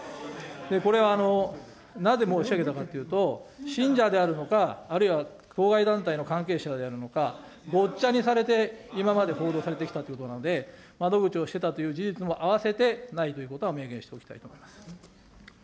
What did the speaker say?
これはなぜ申し上げたかというと、信者であるのか、あるいは当該団体の関係者であるのか、ごっちゃにされて、今まで報道されてきたということなので、窓口をしてたという事実もあわせて、ないということは明言しておきたいと思います。